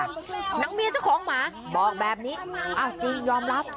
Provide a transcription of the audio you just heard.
นางเมียเจ้าของหมาบอกแบบนี้อ้าวจริงยอมรับ